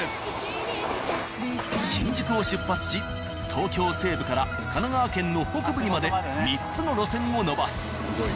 新宿を出発し東京西部から神奈川県の北部にまで３つの路線を延ばす。